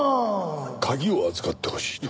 鍵を預かってほしいと。